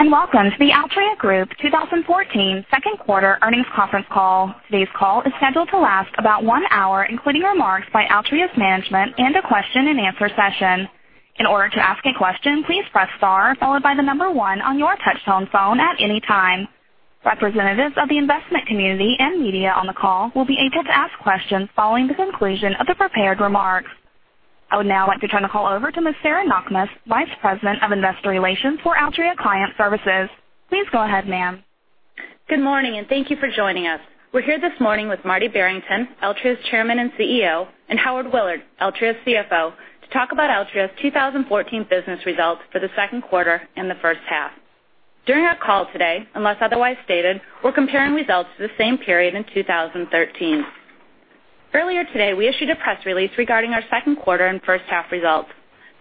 Welcome to the Altria Group 2014 second quarter earnings conference call. Today's call is scheduled to last about one hour, including remarks by Altria's management and a question and answer session. In order to ask a question, please press star followed by the number 1 on your touchtone phone at any time. Representatives of the investment community and media on the call will be able to ask questions following the conclusion of the prepared remarks. I would now like to turn the call over to Ms. Sarah Knakmuhs, Vice President of Investor Relations for Altria Client Services. Please go ahead, ma'am. Good morning, thank you for joining us. We're here this morning with Marty Barrington, Altria's Chairman and CEO, and Howard Willard, Altria's CFO, to talk about Altria's 2014 business results for the second quarter and the first half. During our call today, unless otherwise stated, we're comparing results to the same period in 2013. Earlier today, we issued a press release regarding our second quarter and first half results.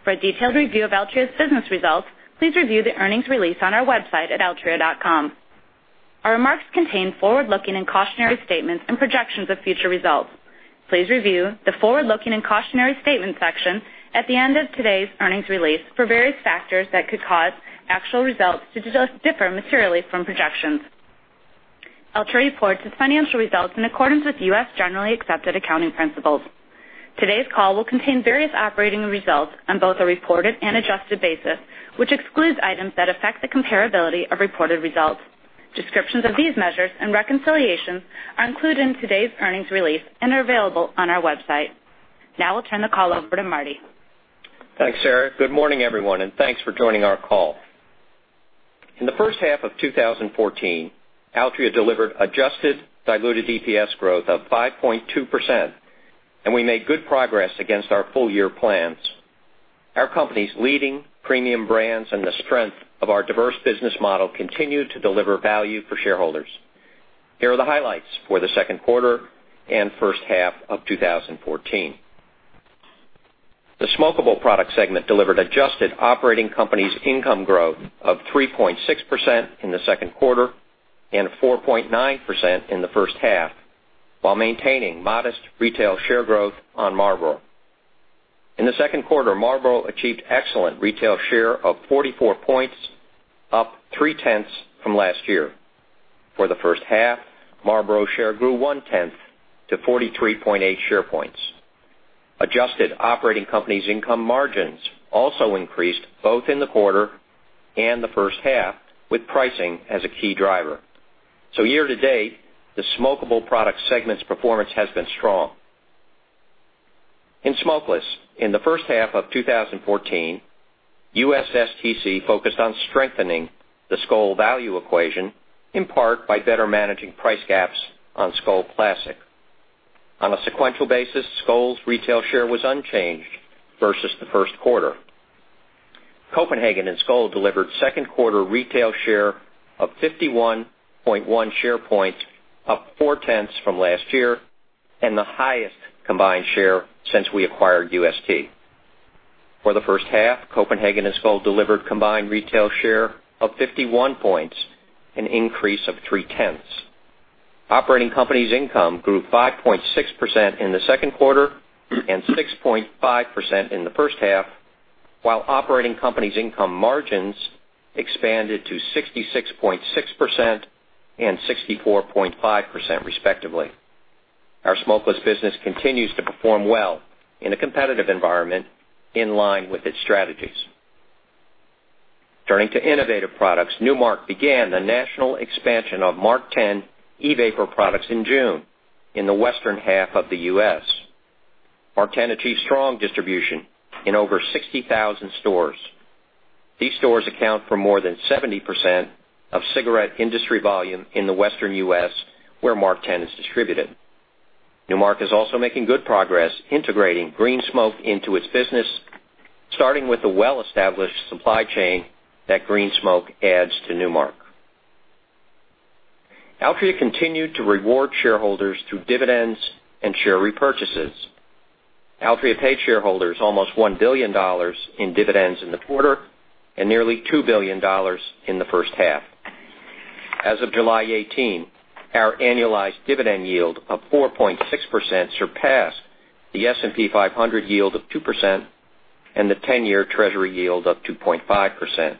For a detailed review of Altria's business results, please review the earnings release on our website at altria.com. Our remarks contain forward-looking and cautionary statements and projections of future results. Please review the Forward-Looking and Cautionary Statement section at the end of today's earnings release for various factors that could cause actual results to differ materially from projections. Altria reports its financial results in accordance with U.S. Generally Accepted Accounting Principles. Today's call will contain various operating results on both a reported and adjusted basis, which excludes items that affect the comparability of reported results. Descriptions of these measures and reconciliations are included in today's earnings release and are available on our website. I'll turn the call over to Marty. Thanks, Sarah. Good morning, everyone, thanks for joining our call. In the first half of 2014, Altria delivered adjusted diluted EPS growth of 5.2%. We made good progress against our full year plans. Our company's leading premium brands and the strength of our diverse business model continue to deliver value for shareholders. Here are the highlights for the second quarter and first half of 2014. The smokable product segment delivered adjusted operating company's income growth of 3.6% in the second quarter and 4.9% in the first half, while maintaining modest retail share growth on Marlboro. In the second quarter, Marlboro achieved excellent retail share of 44 points, up 3/10 from last year. For the first half, Marlboro share grew 1/10 to 43.8 share points. Adjusted operating companies' income margins also increased both in the quarter and the first half, with pricing as a key driver. Year to date, the smokable product segment's performance has been strong. In smokeless, in the first half of 2014, USSTC focused on strengthening the Skoal value equation, in part by better managing price gaps on Skoal Classic. On a sequential basis, Skoal's retail share was unchanged versus the first quarter. Copenhagen and Skoal delivered second quarter retail share of 51.1 share points, up four-tenths from last year, and the highest combined share since we acquired UST. For the first half, Copenhagen and Skoal delivered combined retail share of 51 points, an increase of three-tenths. Operating companies' income grew 5.6% in the second quarter and 6.5% in the first half, while operating companies' income margins expanded to 66.6% and 64.5% respectively. Our smokeless business continues to perform well in a competitive environment in line with its strategies. Turning to innovative products, Nu Mark began the national expansion of MarkTen e-vapor products in June in the western half of the U.S. MarkTen achieved strong distribution in over 60,000 stores. These stores account for more than 70% of cigarette industry volume in the western U.S., where MarkTen is distributed. Nu Mark is also making good progress integrating Green Smoke into its business, starting with the well-established supply chain that Green Smoke adds to Nu Mark. Altria continued to reward shareholders through dividends and share repurchases. Altria paid shareholders almost $1 billion in dividends in the quarter and nearly $2 billion in the first half. As of July 18, our annualized dividend yield of 4.6% surpassed the S&P 500 yield of 2% and the 10-year Treasury yield of 2.5%.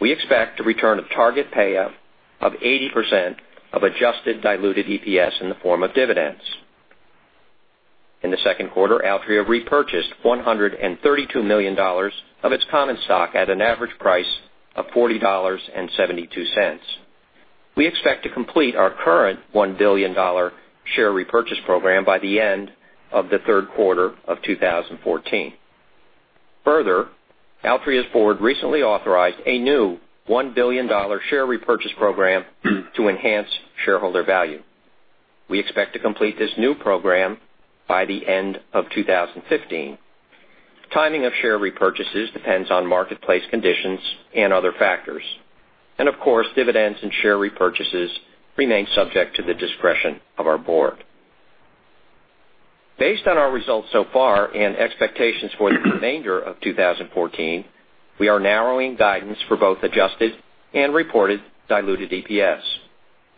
We expect to return a target payout of 80% of adjusted diluted EPS in the form of dividends. In the second quarter, Altria repurchased $132 million of its common stock at an average price of $40.72. We expect to complete our current $1 billion share repurchase program by the end of the third quarter of 2014. Further, Altria's board recently authorized a new $1 billion share repurchase program to enhance shareholder value. We expect to complete this new program by the end of 2015. Timing of share repurchases depends on marketplace conditions and other factors. Of course, dividends and share repurchases remain subject to the discretion of our board. Based on our results so far and expectations for the remainder of 2014, we are narrowing guidance for both adjusted and reported diluted EPS.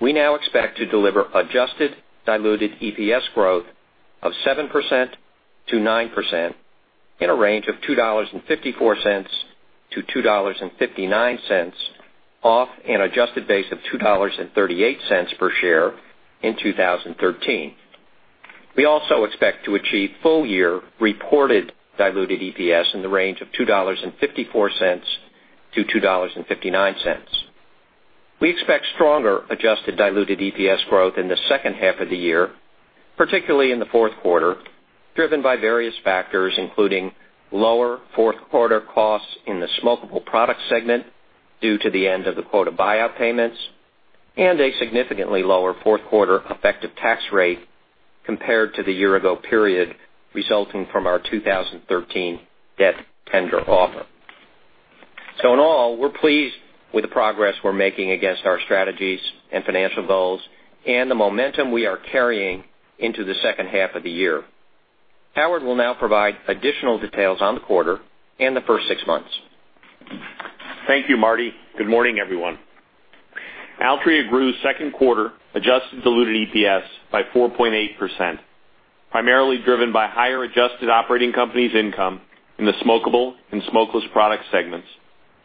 We now expect to deliver adjusted diluted EPS growth of 7%-9% in a range of $2.54-$2.59 off an adjusted base of $2.38 per share in 2013. We also expect to achieve full-year reported diluted EPS in the range of $2.54-$2.59. We expect stronger adjusted diluted EPS growth in the second half of the year, particularly in the fourth quarter, driven by various factors, including lower fourth quarter costs in the smokable product segment due to the end of the quota buyout payments, and a significantly lower fourth quarter effective tax rate compared to the year-ago period resulting from our 2013 debt tender offer. In all, we're pleased with the progress we're making against our strategies and financial goals and the momentum we are carrying into the second half of the year. Howard will now provide additional details on the quarter and the first six months. Thank you, Marty. Good morning, everyone. Altria Group's second quarter-adjusted diluted EPS by 4.8%, primarily driven by higher adjusted operating companies income in the smokable and smokeless product segments,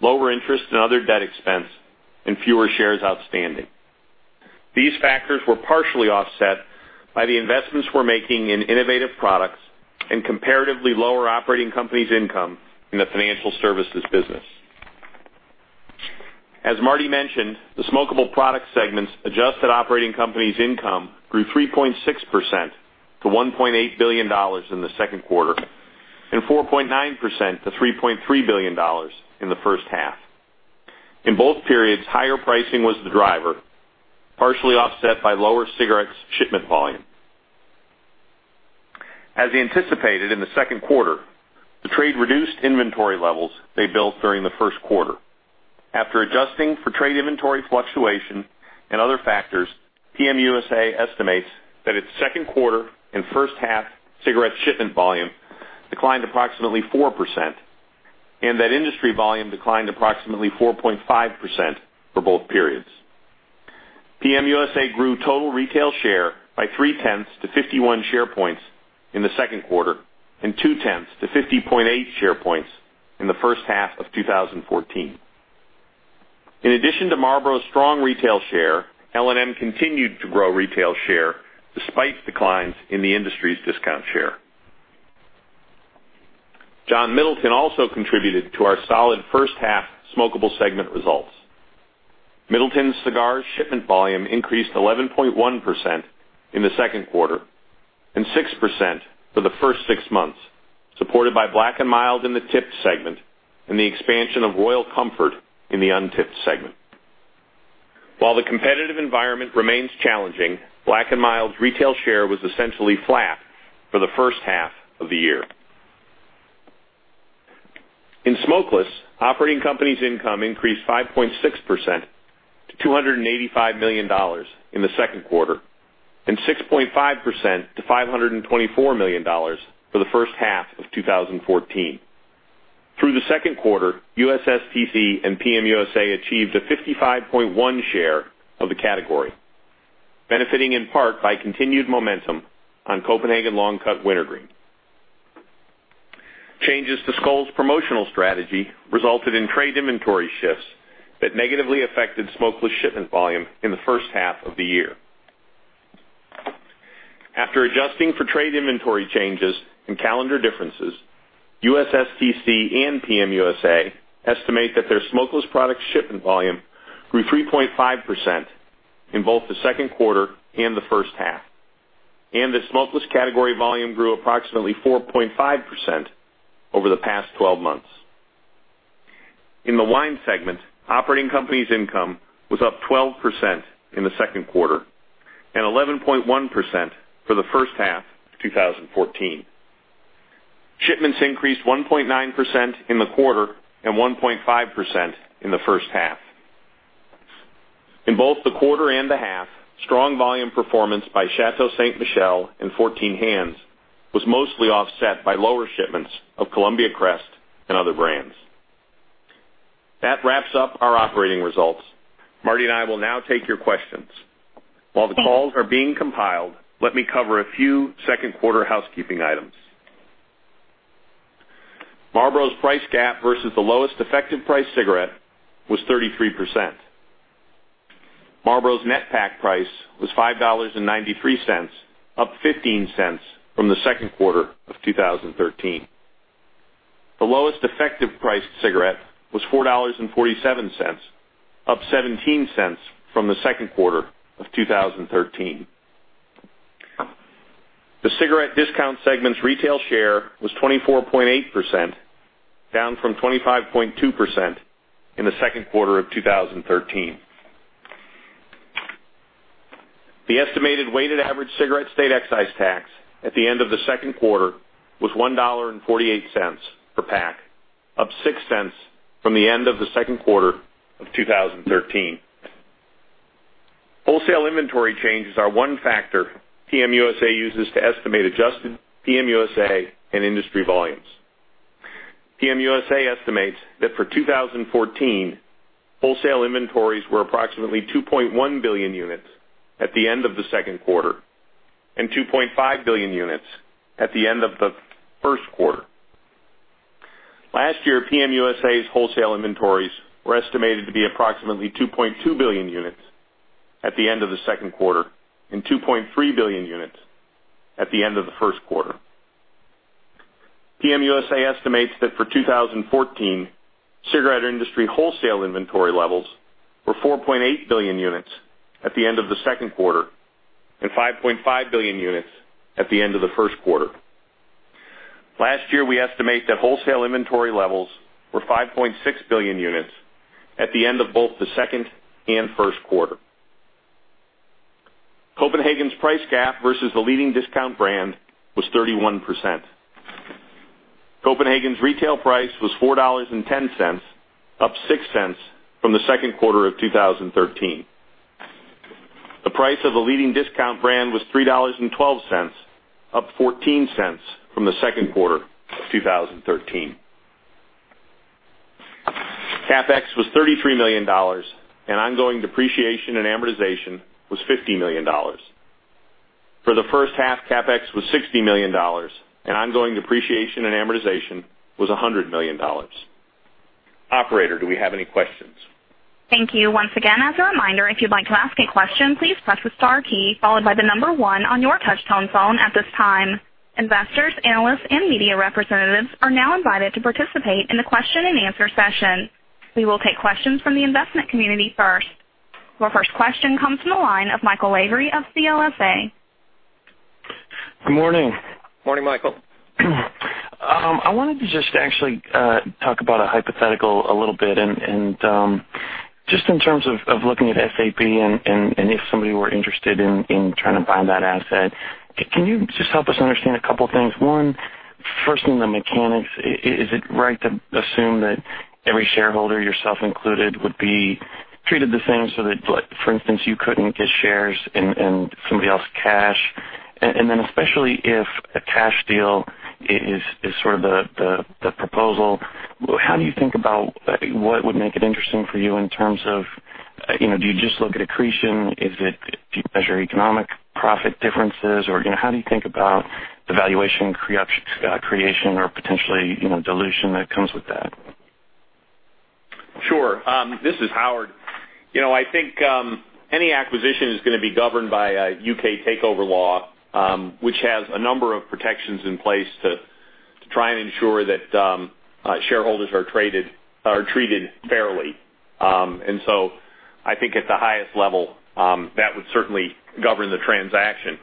lower interest and other debt expense, and fewer shares outstanding. These factors were partially offset by the investments we're making in innovative products and comparatively lower operating companies income in the financial services business. As Marty mentioned, the smokable product segment's adjusted operating company's income grew 3.6% to $1.8 billion in the second quarter, and 4.9% to $3.3 billion in the first half. In both periods, higher pricing was the driver, partially offset by lower cigarette shipment volume. As we anticipated in the second quarter, the trade reduced inventory levels they built during the first quarter. After adjusting for trade inventory fluctuation and other factors, PM USA estimates that its second quarter and first-half cigarette shipment volume declined approximately 4% and that industry volume declined approximately 4.5% for both periods. PM USA grew total retail share by three-tenths to 51 share points in the second quarter and two-tenths to 50.8 share points in the first half of 2014. In addition to Marlboro's strong retail share, L&M continued to grow retail share despite declines in the industry's discount share. John Middleton also contributed to our solid first-half smokable segment results. Middleton's cigar shipment volume increased 11.1% in the second quarter and 6% for the first six months, supported by Black & Mild in the tipped segment and the expansion of Royal Comfort in the untipped segment. While the competitive environment remains challenging, Black & Mild's retail share was essentially flat for the first half of the year. In smokeless, operating company's income increased 5.6% to $285 million in the second quarter and 6.5% to $524 million for the first half of 2014. Through the second quarter, USSTC and PM USA achieved a 55.1 share of the category, benefiting in part by continued momentum on Copenhagen Long Cut Wintergreen. Changes to Skoal's promotional strategy resulted in trade inventory shifts that negatively affected smokeless shipment volume in the first half of the year. After adjusting for trade inventory changes and calendar differences, USSTC and PM USA estimate that their smokeless product shipment volume grew 3.5% in both the second quarter and the first half, and that smokeless category volume grew approximately 4.5% over the past 12 months. In the wine segment, operating company's income was up 12% in the second quarter and 11.1% for the first half of 2014. Shipments increased 1.9% in the quarter and 1.5% in the first half. In both the quarter and the half, strong volume performance by Chateau Ste. Michelle and 14 Hands was mostly offset by lower shipments of Columbia Crest and other brands. That wraps up our operating results. Marty and I will now take your questions. While the calls are being compiled, let me cover a few second quarter housekeeping items. Marlboro's price gap versus the lowest effective price cigarette was 33%. Marlboro's net pack price was $5.93, up $0.15 from the second quarter of 2013. The lowest effective priced cigarette was $4.47, up $0.17 from the second quarter of 2013. The cigarette discount segment's retail share was 24.8%, down from 25.2% in the second quarter of 2013. The estimated weighted average cigarette state excise tax at the end of the second quarter was $1.48 per pack, up $0.06 from the end of the second quarter of 2013. Wholesale inventory changes are one factor PM USA uses to estimate adjusted PM USA and industry volumes. PM USA estimates that for 2014, wholesale inventories were approximately 2.1 billion units at the end of the second quarter, and 2.5 billion units at the end of the first quarter. Last year, PM USA's wholesale inventories were estimated to be approximately 2.2 billion units at the end of the second quarter, and 2.3 billion units at the end of the first quarter. PM USA estimates that for 2014, cigarette industry wholesale inventory levels were 4.8 billion units at the end of the second quarter, and 5.5 billion units at the end of the first quarter. Last year, we estimate that wholesale inventory levels were 5.6 billion units at the end of both the second and first quarter. Copenhagen's price gap versus the leading discount brand was 31%. Copenhagen's retail price was $4.10, up $0.06 from the second quarter of 2013. The price of a leading discount brand was $3.12, up $0.14 from the second quarter of 2013. CapEx was $33 million, and ongoing depreciation and amortization was $50 million. For the first half, CapEx was $60 million, and ongoing depreciation and amortization was $100 million. Operator, do we have any questions? Thank you. Once again, as a reminder, if you'd like to ask a question, please press the star key followed by the number one on your touch-tone phone at this time. Investors, analysts, and media representatives are now invited to participate in the question-and-answer session. We will take questions from the investment community first. Your first question comes from the line of Michael Lavery of CLSA. Good morning. Morning, Michael. I wanted to just actually talk about a hypothetical a little bit and just in terms of looking at SABMiller and if somebody were interested in trying to find that asset, can you just help us understand a couple of things? One, first on the mechanics, is it right to assume that every shareholder, yourself included, would be treated the same so that, for instance, you couldn't get shares and somebody else cash? Then especially if a cash deal is sort of the proposal, how do you think about what would make it interesting for you in terms of, do you just look at accretion? Do you measure economic profit differences? How do you think about the valuation creation or potentially dilution that comes with that? Sure. This is Howard. I think any acquisition is going to be governed by a U.K. takeover law, which has a number of protections in place to try and ensure that shareholders are treated fairly. So I think at the highest level, that would certainly govern the transaction.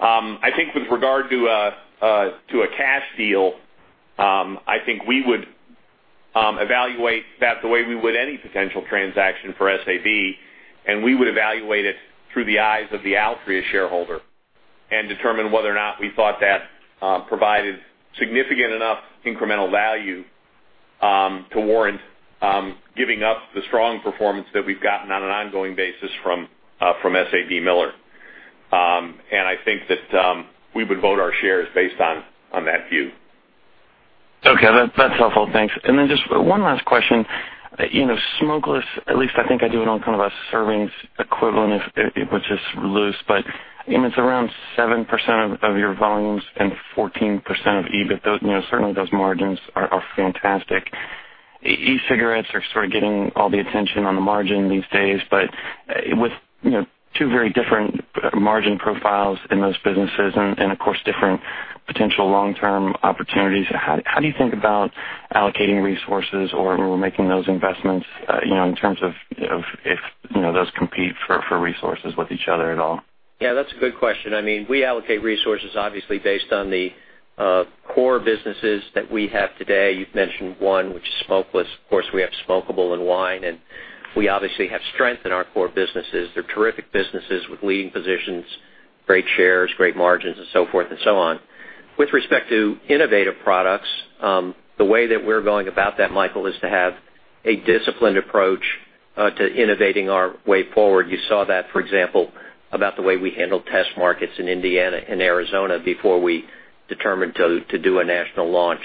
I think with regard to a cash deal, I think we would evaluate that the way we would any potential transaction for SABMiller, and we would evaluate it through the eyes of the Altria shareholder and determine whether or not we thought that provided significant enough incremental value to warrant giving up the strong performance that we've gotten on an ongoing basis from SABMiller. I think that we would vote our shares based on that view. Okay. That's helpful. Thanks. Just one last question. Smokeless, at least I think I do it on kind of a servings equivalent if it was just loose, but it's around 7% of your volumes and 14% of EBIT. Certainly those margins are fantastic. E-cigarettes are sort of getting all the attention on the margin these days. With two very different margin profiles in those businesses and of course, different potential long-term opportunities, how do you think about allocating resources or making those investments, in terms of if those compete for resources with each other at all? Yeah, that's a good question. We allocate resources obviously based on the core businesses that we have today. You've mentioned one, which is smokeless. Of course, we have smokeable and wine, and we obviously have strength in our core businesses. They're terrific businesses with leading positions, great shares, great margins, and so forth and so on. With respect to innovative products, the way that we're going about that, Michael, is to have a disciplined approach to innovating our way forward. You saw that, for example, about the way we handled test markets in Indiana and Arizona before we determined to do a national launch.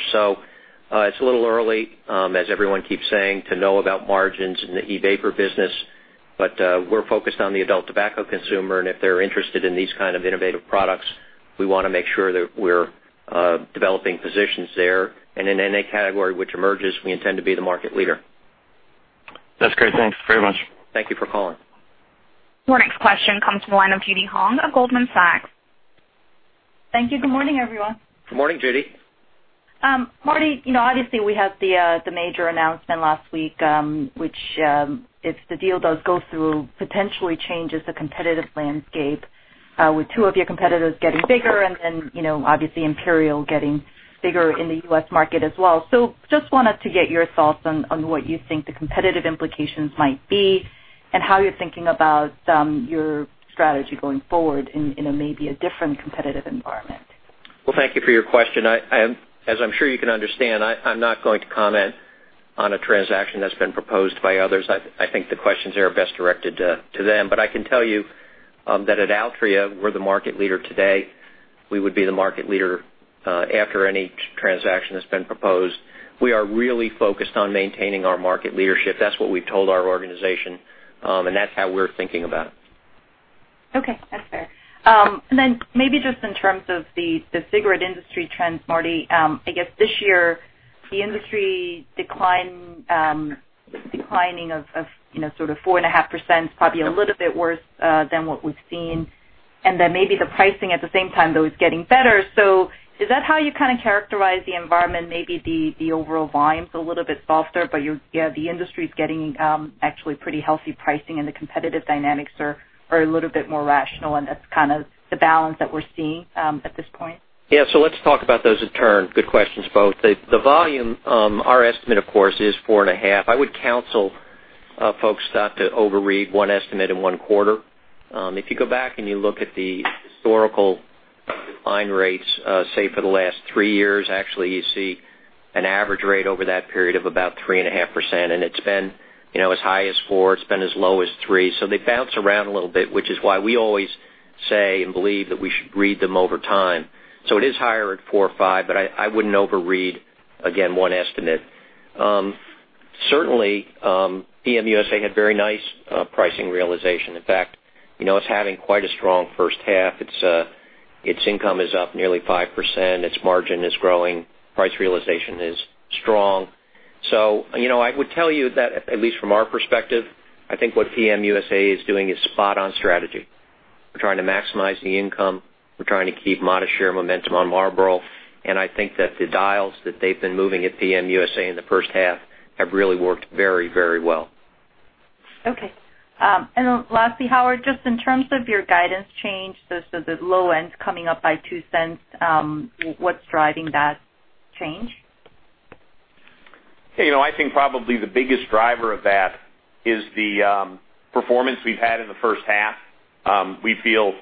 It's a little early, as everyone keeps saying, to know about margins in the e-vapor business, but we're focused on the adult tobacco consumer, and if they're interested in these kind of innovative products, we want to make sure that we're developing positions there. In any category which emerges, we intend to be the market leader. That's great. Thanks very much. Thank you for calling. Our next question comes from the line of Judy Hong of Goldman Sachs. Thank you. Good morning, everyone. Good morning, Judy. Marty, obviously we had the major announcement last week, which, if the deal does go through, potentially changes the competitive landscape, with two of your competitors getting bigger and then obviously Imperial getting bigger in the U.S. market as well. Just wanted to get your thoughts on what you think the competitive implications might be and how you're thinking about your strategy going forward in a maybe a different competitive environment. Well, thank you for your question. As I'm sure you can understand, I'm not going to comment On a transaction that's been proposed by others, I think the questions there are best directed to them. I can tell you that at Altria, we're the market leader today. We would be the market leader after any transaction that's been proposed. We are really focused on maintaining our market leadership. That's what we've told our organization, and that's how we're thinking about it. Okay, that's fair. Maybe just in terms of the cigarette industry trends, Marty, I guess this year, the industry declining of sort of 4.5% is probably a little bit worse than what we've seen. Maybe the pricing at the same time, though, is getting better. Is that how you kind of characterize the environment, maybe the overall volume is a little bit softer, but the industry's getting actually pretty healthy pricing and the competitive dynamics are a little bit more rational, and that's kind of the balance that we're seeing at this point? Yeah. Let's talk about those in turn. Good questions, both. The volume, our estimate, of course, is 4.5%. I would counsel folks not to overread one estimate in one quarter. If you go back and you look at the historical decline rates, say, for the last three years, actually, you see an average rate over that period of about 3.5%, and it's been as high as four, it's been as low as three. They bounce around a little bit, which is why we always say and believe that we should read them over time. It is higher at 4.5%, but I wouldn't overread, again, one estimate. Certainly, PM USA had very nice pricing realization. In fact, it's having quite a strong first half. Its income is up nearly 5%, its margin is growing. Price realization is strong. I would tell you that, at least from our perspective, I think what PM USA is doing is spot-on strategy. We're trying to maximize the income. We're trying to keep modest share momentum on Marlboro. I think that the dials that they've been moving at PM USA in the first half have really worked very well. Okay. Lastly, Howard, just in terms of your guidance change, the low end's coming up by $0.02. What's driving that change? I think probably the biggest driver of that is the performance we've had in the first half. We feel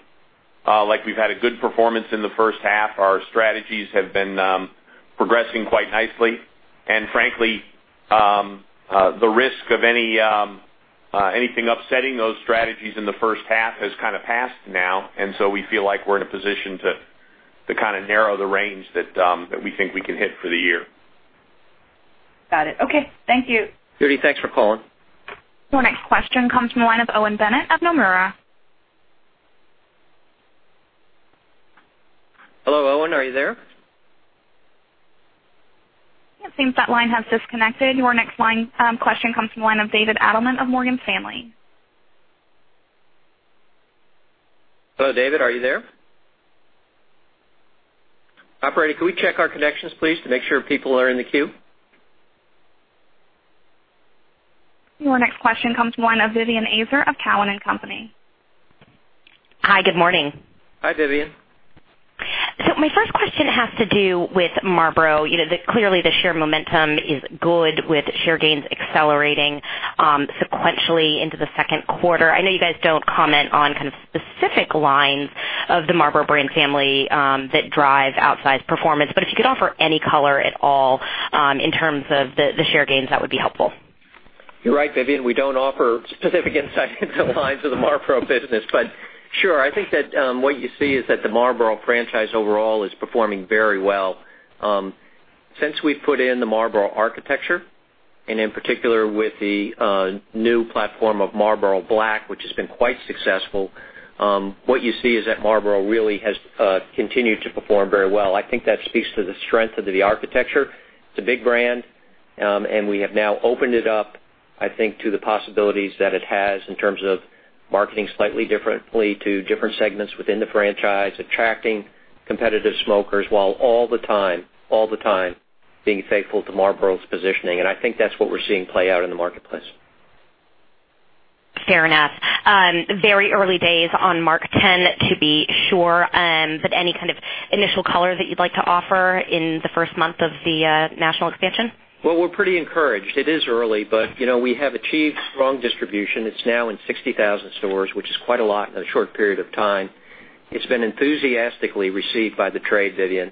like we've had a good performance in the first half. Our strategies have been progressing quite nicely. Frankly, the risk of anything upsetting those strategies in the first half has kind of passed now, we feel like we're in a position to kind of narrow the range that we think we can hit for the year. Got it. Okay. Thank you. Judy, thanks for calling. Your next question comes from the line of Owen Bennett of Nomura. Hello, Owen, are you there? It seems that line has disconnected. Your next line question comes from the line of David Adelman of Morgan Stanley. Hello, David, are you there? Operator, can we check our connections, please, to make sure people are in the queue? Your next question comes from the line of Vivien Azer of Cowen and Company. Hi, good morning. Hi, Vivien. My first question has to do with Marlboro. Clearly the share momentum is good with share gains accelerating sequentially into the second quarter. I know you guys don't comment on kind of specific lines of the Marlboro brand family that drive outsized performance, but if you could offer any color at all in terms of the share gains, that would be helpful. You're right, Vivien. We don't offer specific insights into lines of the Marlboro business. Sure, I think that what you see is that the Marlboro franchise overall is performing very well. Since we put in the Marlboro architecture, and in particular with the new platform of Marlboro Black, which has been quite successful, what you see is that Marlboro really has continued to perform very well. I think that speaks to the strength of the architecture. It's a big brand. We have now opened it up, I think, to the possibilities that it has in terms of marketing slightly differently to different segments within the franchise, attracting competitive smokers, while all the time being faithful to Marlboro's positioning. I think that's what we're seeing play out in the marketplace. Fair enough. Very early days on MarkTen, to be sure, any kind of initial color that you'd like to offer in the first month of the national expansion? Well, we're pretty encouraged. It is early, but we have achieved strong distribution. It's now in 60,000 stores, which is quite a lot in a short period of time. It's been enthusiastically received by the trade, Vivien.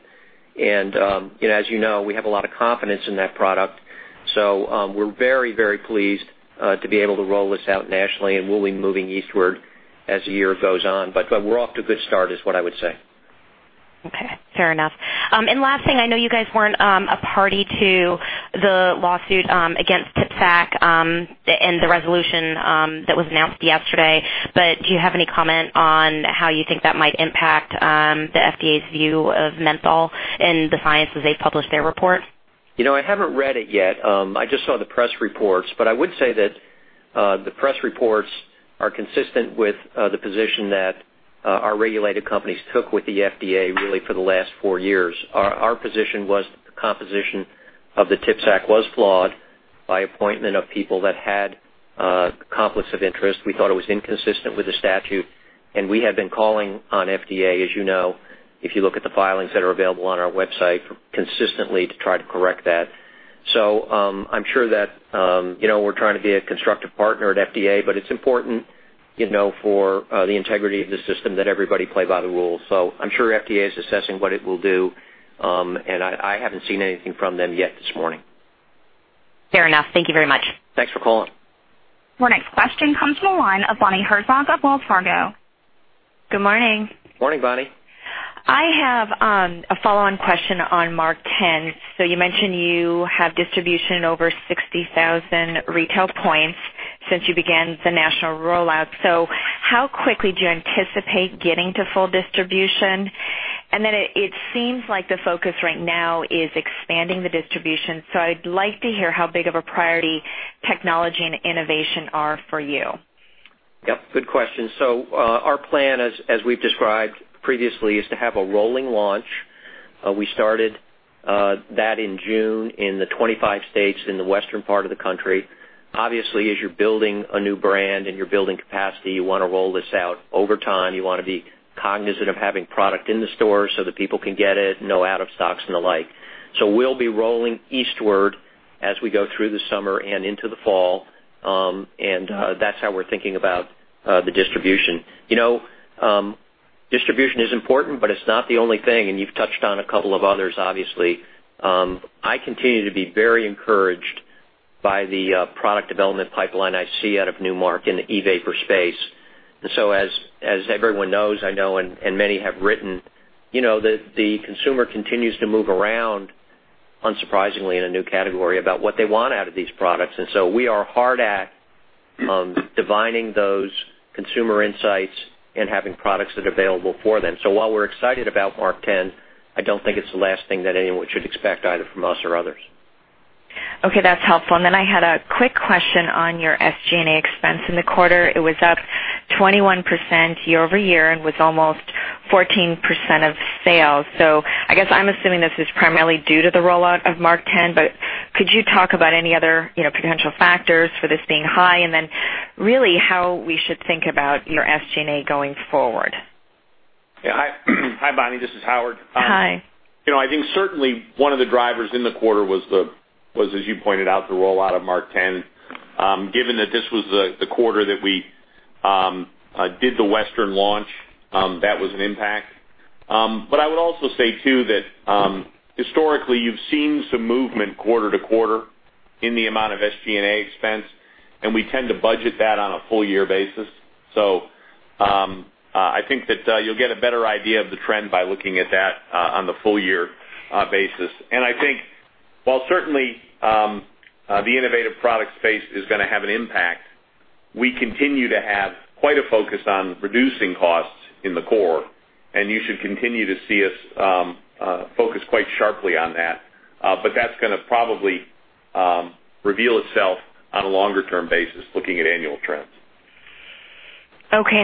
As you know, we have a lot of confidence in that product. We're very pleased to be able to roll this out nationally, we'll be moving eastward as the year goes on. We're off to a good start is what I would say. Okay. Fair enough. Last thing, I know you guys weren't a party to the lawsuit against TPSAC and the resolution that was announced yesterday, but do you have any comment on how you think that might impact the FDA's view of menthol and the science as they publish their report? I haven't read it yet. I just saw the press reports. I would say that the press reports are consistent with the position that our regulated companies took with the FDA really for the last four years. Our position was the composition of the TPSAC was flawed by appointment of people that had conflicts of interest. We thought it was inconsistent with the statute, we have been calling on FDA, as you know, if you look at the filings that are available on our website, consistently to try to correct that. I'm sure that we're trying to be a constructive partner at FDA, but it's important for the integrity of the system that everybody play by the rules. I'm sure FDA is assessing what it will do. I haven't seen anything from them yet this morning. Fair enough. Thank you very much. Thanks for calling. Our next question comes from the line of Bonnie Herzog of Wells Fargo. Good morning. Morning, Bonnie. I have a follow-on question on MarkTen. You mentioned you have distribution in over 60,000 retail points since you began the national rollout. How quickly do you anticipate getting to full distribution? It seems like the focus right now is expanding the distribution. I'd like to hear how big of a priority technology and innovation are for you. Yes, good question. Our plan, as we've described previously, is to have a rolling launch. We started that in June in the 25 states in the western part of the country. Obviously, as you're building a new brand and you're building capacity, you want to roll this out over time. You want to be cognizant of having product in the store so that people can get it, no out of stocks and the like. We'll be rolling eastward as we go through the summer and into the fall. That's how we're thinking about the distribution. Distribution is important, but it's not the only thing, and you've touched on a couple of others, obviously. I continue to be very encouraged by the product development pipeline I see out of Nu Mark in the e-vapor space. As everyone knows, I know and many have written, the consumer continues to move around, unsurprisingly, in a new category about what they want out of these products. We are hard at divining those consumer insights and having products that are available for them. While we're excited about MarkTen, I don't think it's the last thing that anyone should expect, either from us or others. Okay, that's helpful. I had a quick question on your SG&A expense in the quarter. It was up 21% year-over-year and was almost 14% of sales. I guess I'm assuming this is primarily due to the rollout of MarkTen, but could you talk about any other potential factors for this being high, really how we should think about your SG&A going forward? Yeah. Hi, Bonnie. This is Howard. Hi. I think certainly one of the drivers in the quarter was, as you pointed out, the rollout of MarkTen. Given that this was the quarter that we did the Western launch, that was an impact. I would also say, too, that historically, you've seen some movement quarter to quarter in the amount of SG&A expense, and we tend to budget that on a full year basis. I think that you'll get a better idea of the trend by looking at that on the full year basis. I think while certainly the innovative product space is going to have an impact, we continue to have quite a focus on reducing costs in the core, and you should continue to see us focus quite sharply on that. That's going to probably reveal itself on a longer-term basis, looking at annual trends. Okay.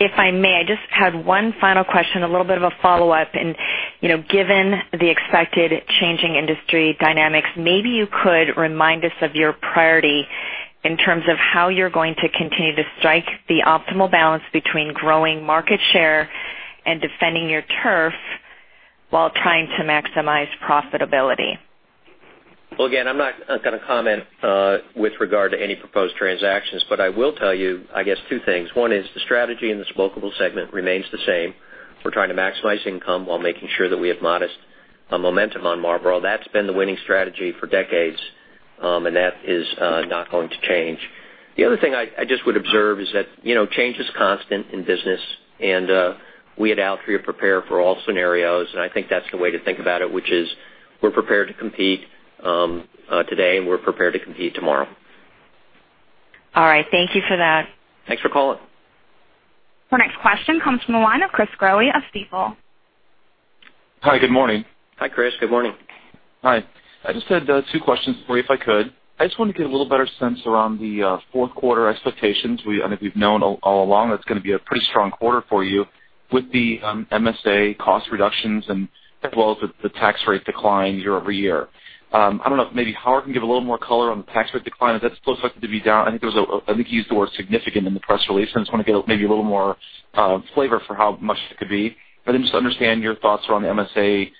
If I may, I just had one final question, a little bit of a follow-up. Given the expected changing industry dynamics, maybe you could remind us of your priority in terms of how you're going to continue to strike the optimal balance between growing market share and defending your turf while trying to maximize profitability. Again, I'm not going to comment with regard to any proposed transactions, I will tell you, I guess, two things. One is the strategy in the smokable segment remains the same. We're trying to maximize income while making sure that we have modest momentum on Marlboro. That's been the winning strategy for decades, and that is not going to change. The other thing I just would observe is that change is constant in business, and we at Altria prepare for all scenarios. I think that's the way to think about it, which is we're prepared to compete today, and we're prepared to compete tomorrow. All right. Thank you for that. Thanks for calling. Our next question comes from the line of Chris Growe of Stifel. Hi, good morning. Hi, Chris. Good morning. Hi. I just had two questions for you, if I could. I just wanted to get a little better sense around the fourth quarter expectations. I think we've known all along it's going to be a pretty strong quarter for you with the MSA cost reductions as well as the tax rate decline year-over-year. I don't know if maybe Howard can give a little more color on the tax rate decline. Is that still expected to be down? I think he used the word significant in the press release. I just want to get maybe a little more flavor for how much it could be. Just understand your thoughts around the MSA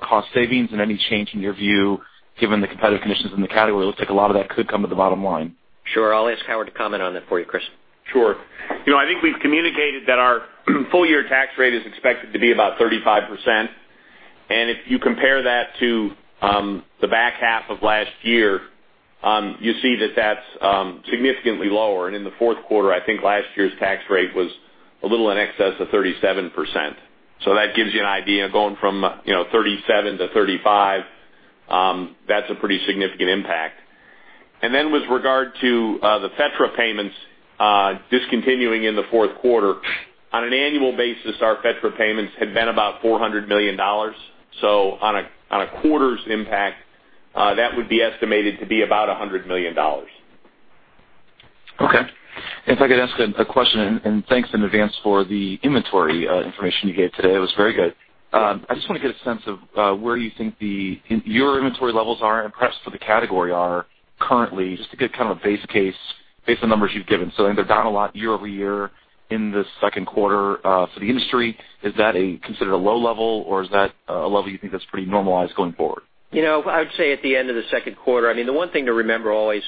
cost savings and any change in your view given the competitive conditions in the category. It looks like a lot of that could come to the bottom line. Sure. I'll ask Howard to comment on that for you, Chris. Sure. I think we've communicated that our full year tax rate is expected to be about 35%. If you compare that to the back half of last year, you see that that's significantly lower. In the fourth quarter, I think last year's tax rate was a little in excess of 37%. That gives you an idea of going from 37 to 35. That's a pretty significant impact. With regard to the FETRA payments discontinuing in the fourth quarter, on an annual basis, our FETRA payments had been about $400 million. On a quarter's impact, that would be estimated to be about $100 million. Okay. If I could ask a question, thanks in advance for the inventory information you gave today. It was very good. I just want to get a sense of where you think your inventory levels are and perhaps for the category are currently just to get kind of a base case based on numbers you've given. They're down a lot year-over-year in the second quarter for the industry, is that considered a low level, or is that a level you think that's pretty normalized going forward? I would say at the end of the second quarter, the one thing to remember always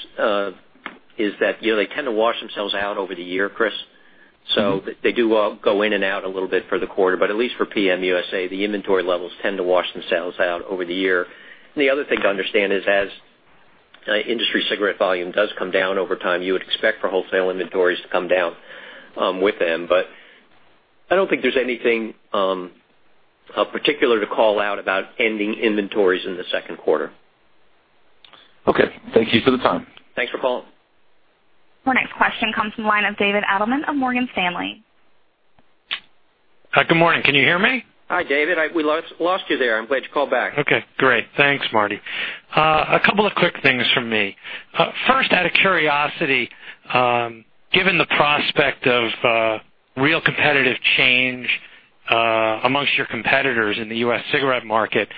is that they tend to wash themselves out over the year, Chris. They do go in and out a little bit for the quarter. At least for PM USA, the inventory levels tend to wash themselves out over the year. The other thing to understand is as industry cigarette volume does come down over time, you would expect for wholesale inventories to come down with them. I don't think there's anything particular to call out about ending inventories in the second quarter. Okay. Thank you for the time. Thanks for calling. Our next question comes from the line of David Adelman of Morgan Stanley. Good morning. Can you hear me? Hi, David. We lost you there. I'm glad you called back. Okay, great. Thanks, Marty. A couple of quick things from me. First, out of curiosity, given the prospect of real competitive change amongst your competitors in the U.S. cigarette market,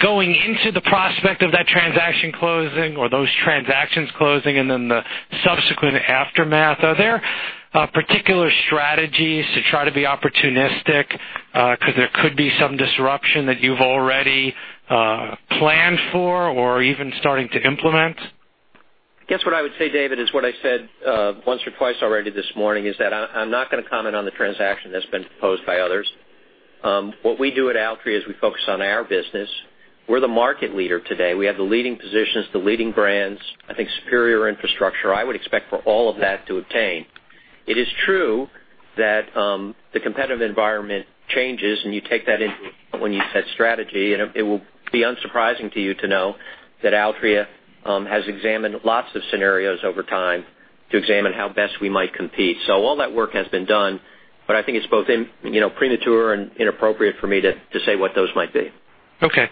going into the prospect of that transaction closing or those transactions closing and then the subsequent aftermath, are there particular strategies to try to be opportunistic because there could be some disruption that you've already planned for or are even starting to implement? I guess what I would say, David, is what I said once or twice already this morning, is that I'm not going to comment on the transaction that's been proposed by others. What we do at Altria is we focus on our business. We're the market leader today. We have the leading positions, the leading brands, I think superior infrastructure. I would expect for all of that to obtain. It is true that the competitive environment changes, and you take that into when you set strategy, and it will be unsurprising to you to know that Altria has examined lots of scenarios over time to examine how best we might compete. All that work has been done, but I think it's both premature and inappropriate for me to say what those might be. Okay.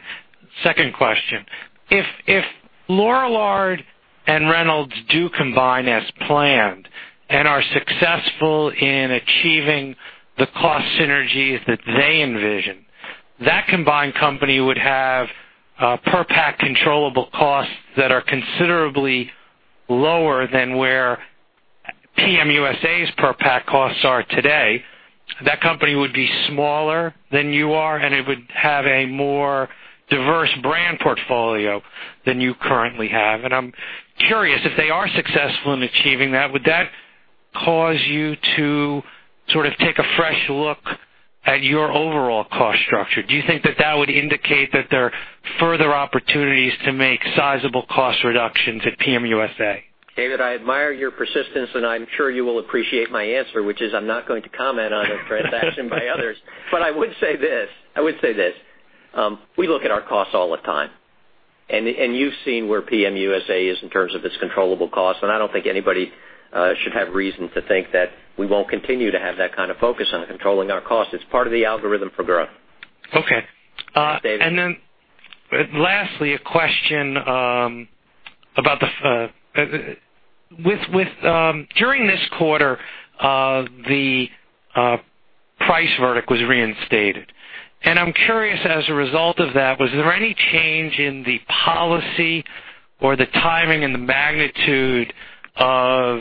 Second question. If Lorillard and Reynolds do combine as planned and are successful in achieving the cost synergies that they envision, that combined company would have per pack controllable costs that are considerably lower than where PM USA's per pack costs are today. That company would be smaller than you are, and it would have a more diverse brand portfolio than you currently have. I'm curious, if they are successful in achieving that, would that cause you to sort of take a fresh look at your overall cost structure? Do you think that that would indicate that there are further opportunities to make sizable cost reductions at PM USA? David, I admire your persistence. I'm sure you will appreciate my answer, which is I'm not going to comment on a transaction by others. I would say this. We look at our costs all the time. You've seen where PM USA is in terms of its controllable costs. I don't think anybody should have reason to think that we won't continue to have that kind of focus on controlling our costs. It's part of the algorithm for growth. Okay. Yes, David. Then lastly, a question. During this quarter, the price verdict was reinstated. I'm curious, as a result of that, was there any change in the policy or the timing and the magnitude of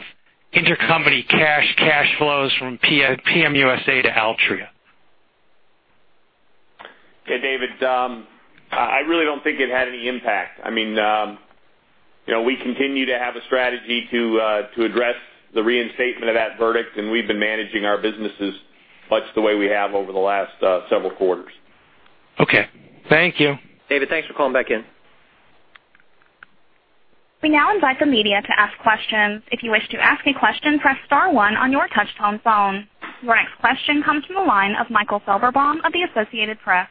intercompany cash flows from PM USA to Altria? Yeah, David, I really don't think it had any impact. We continue to have a strategy to address the reinstatement of that verdict, and we've been managing our businesses much the way we have over the last several quarters. Okay. Thank you. David, thanks for calling back in. We now invite the media to ask questions. If you wish to ask a question, press star one on your touchtone phone. Your next question comes from the line of Michael Felberbaum of The Associated Press.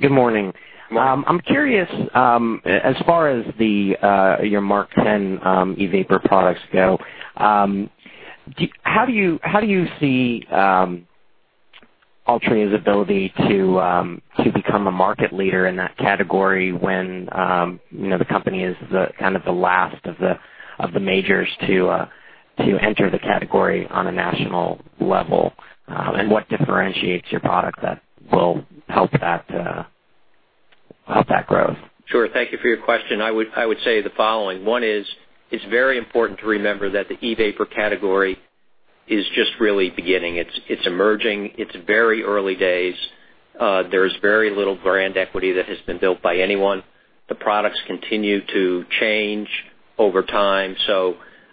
Good morning. Morning. I'm curious, as far as your MarkTen e-vapor products go, how do you see Altria's ability to become a market leader in that category when the company is kind of the last of the majors to enter the category on a national level? What differentiates your product that will help that growth? Sure. Thank you for your question. I would say the following. One is, it's very important to remember that the e-vapor category is just really beginning. It's emerging. It's very early days. There's very little brand equity that has been built by anyone. The products continue to change over time.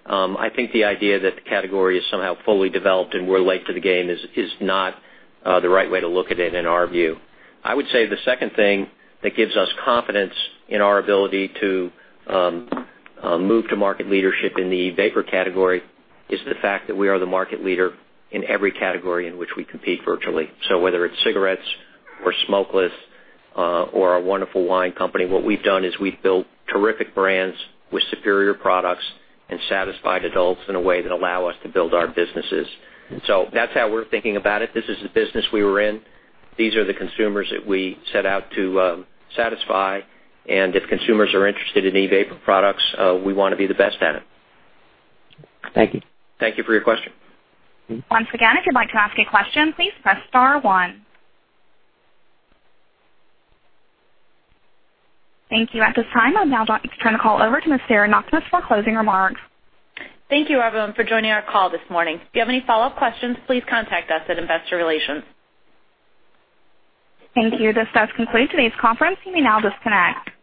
I think the idea that the category is somehow fully developed and we're late to the game is not the right way to look at it in our view. I would say the second thing that gives us confidence in our ability to move to market leadership in the e-vapor category is the fact that we are the market leader in every category in which we compete virtually. Whether it's cigarettes or smokeless or our wonderful wine company, what we've done is we've built terrific brands with superior products and satisfied adults in a way that allow us to build our businesses. That's how we're thinking about it. This is the business we were in. These are the consumers that we set out to satisfy. If consumers are interested in e-vapor products, we want to be the best at it. Thank you. Thank you for your question. Once again, if you'd like to ask a question, please press star one. Thank you. At this time, I would now like to turn the call over to Miss Sarah Knakmuhs for closing remarks. Thank you, everyone, for joining our call this morning. If you have any follow-up questions, please contact us at Investor Relations. Thank you. This does conclude today's conference. You may now disconnect.